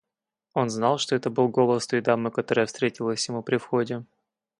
Он знал, что это был голос той дамы, которая встретилась ему при входе.